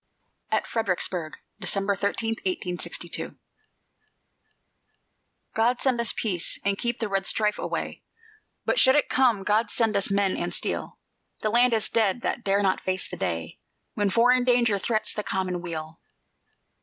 AT FREDERICKSBURG [December 13, 1862] God send us peace, and keep red strife away; But should it come, God send us men and steel! The land is dead that dare not face the day When foreign danger threats the common weal.